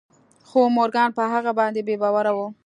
خو مورګان په هغه باندې بې باوره و